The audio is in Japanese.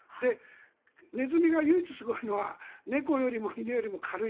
ネズミが唯一すごいのは猫よりも犬よりも軽い。